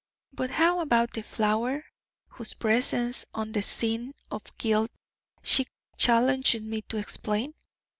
But how about the flower whose presence on the scene of guilt she challenges me to explain?